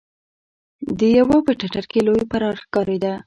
د يوه په ټټر کې لوی پرار ښکارېده.